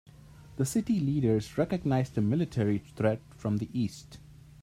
The city leaders recognized a military threat from the east.